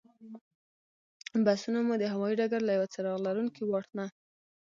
بسونه مو د هوایي ډګر له یوه څراغ لرونکي واټ نه.